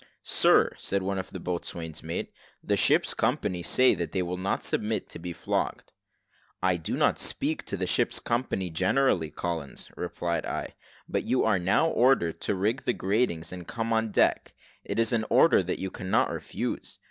"Sir," said one of the boatswain's mates, "the ship's company say that they will not submit to be flogged." "I do not speak to the ship's company generally, Collins," replied I, "but you are now ordered to rig the gratings, and come on deck. It is an order that you cannot refuse.